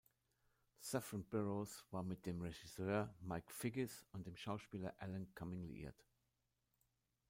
Saffron Burrows war mit dem Regisseur Mike Figgis und dem Schauspieler Alan Cumming liiert.